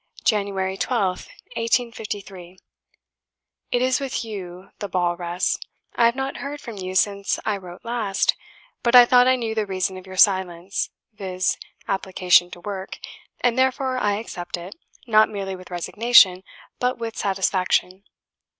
"January 12th, 1853. "It is with YOU the ball rests. I have not heard from you since I wrote last; but I thought I knew the reason of your silence, viz. application to work, and therefore I accept it, not merely with resignation, but with satisfaction.